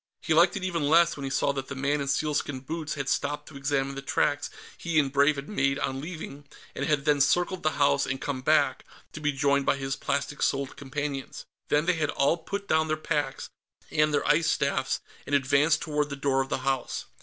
He liked it even less when he saw that the man in sealskin boots had stopped to examine the tracks he and Brave had made on leaving, and had then circled the house and come back, to be joined by his plastic soled companions. Then they had all put down their packs and their ice staffs, and advanced toward the door of the house.